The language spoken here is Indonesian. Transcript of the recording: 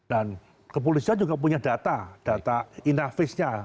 dan kepolisian juga punya data data inavisnya